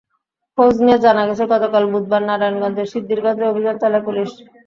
খোঁজ নিয়ে জানা গেছে, গতকাল বুধবার নারায়ণগঞ্জের সিদ্ধিরগঞ্জে অভিযান চালায় পুলিশ।